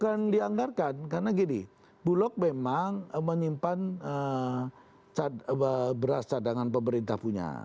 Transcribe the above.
bukan dianggarkan karena gini bulog memang menyimpan beras cadangan pemerintah punya